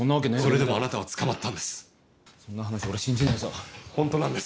それでもあなたは捕まったんですそんな話俺信じねえぞホントなんです